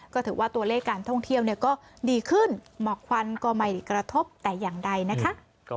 ก็ถือว่าตัวเลขการท่องเที่ยวก็ดีขึ้นหมอกควันก็ไม่กระทบแต่อย่างใดนะคะ